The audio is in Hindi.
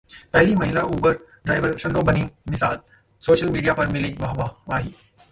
पहली महिला उबर ड्राइवर शन्नो बनीं मिसाल, सोशल मीडिया पर मिली वाहवाही